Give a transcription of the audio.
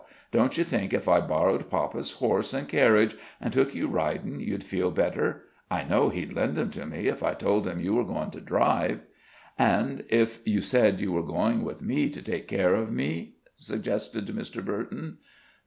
Don't you think if I borrowed papa's horse and carriage an' took you ridin' you'd feel better? I know he'd lend 'em to me if I told him you were goin' to drive." "And if you said you were going with me to take care of me?" suggested Mr. Burton.